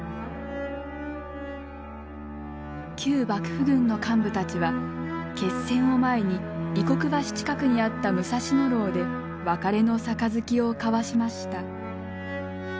旧幕府軍の幹部たちは決戦を前に異国橋近くにあった武蔵野楼で別れの杯を交わしました。